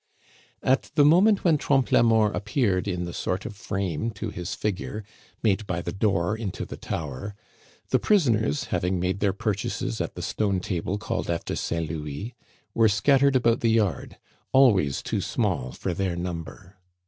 At the moment when Trompe la Mort appeared in the sort of frame to his figure made by the door into the tower, the prisoners, having made their purchases at the stone table called after Saint Louis, were scattered about the yard, always too small for their number.